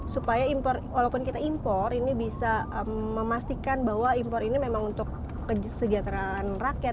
supaya walaupun kita impor ini bisa memastikan bahwa impor ini memang untuk kesejahteraan rakyat